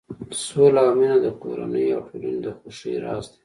سوله او مینه د کورنۍ او ټولنې د خوښۍ راز دی.